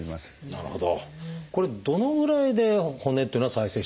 なるほど。